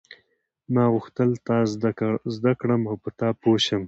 ما غوښتل تا زده کړم او په تا پوه شم.